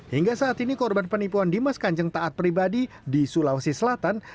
hingga saat ini korban penipuan dimas kanjeng taat pribadi di sulawesi selatan